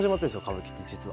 歌舞伎って実は。